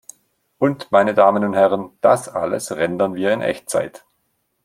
Und, meine Damen und Herren, das alles rendern wir in Echtzeit!